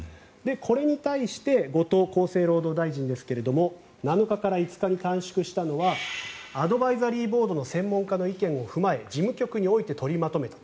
これに対して後藤厚生労働大臣ですが７日から５日に短縮したのはアドバイザリーボードの専門家の意見を踏まえ事務局におい取りまとめた。